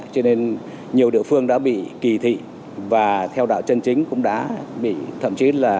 cho nên nhiều địa phương đã bị kỳ thị và theo đạo chân chính cũng đã bị